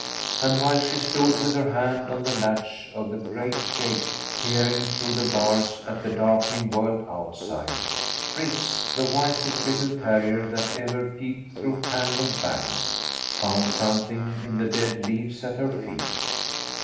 And while she stood with her hand on the latch of the great gate, peering through the bars at the darkening world outside, Fritz (the wisest little terrier that ever peeped through tangled bangs) found something in the dead leaves at her feet.